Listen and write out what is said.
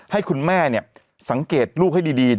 ให้คุณแม่สังเกตลูกให้ดี